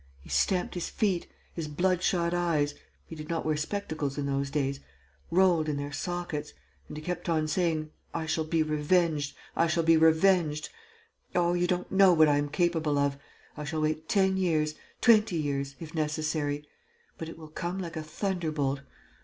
He stamped his feet. His bloodshot eyes he did not wear spectacles in those days rolled in their sockets; and he kept on saying, 'I shall be revenged.... I shall be revenged.... Oh, you don't know what I am capable of!... I shall wait ten years, twenty years, if necessary.... But it will come like a thunderbolt....